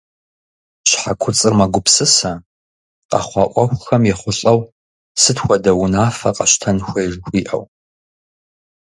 Щхьэ куцӀыр мэгупсысэ, къэхъуа Ӏуэхухэм ехъулӀэу сыт хуэдэ унафэ къэщтэн хуей жыхуиӀэу.